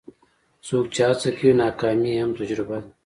څوک چې هڅه کوي، ناکامي یې هم تجربه ده.